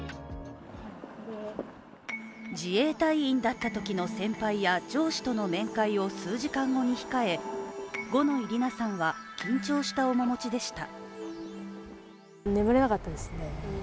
自衛隊員だったときの先輩や上司との面会を数時間後に控え、五ノ井里奈さんは緊張した面持ちでした。